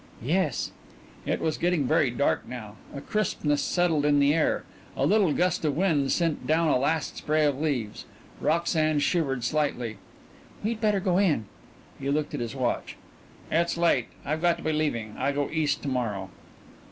"Yes." It was getting very dark now, a crispness settled in the air; a little gust of wind sent down a last spray of leaves. Roxanne shivered slightly. "We'd better go in." He looked at his watch. "It's late. I've got to be leaving. I go East tomorrow."